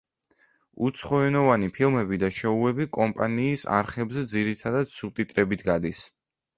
უცხოენოვანი ფილმები და შოუები კომპანიის არხებზე ძირითადად სუბტიტრებით გადის.